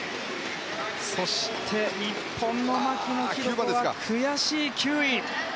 そして、日本の牧野紘子は悔しい９位！